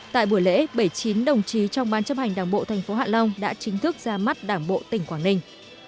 tại buổi lễ bảy mươi chín đồng chí trong ban chấp hành đảng bộ thành phố hạ long đã chính thức ra mắt đảng bộ tỉnh quảng ninh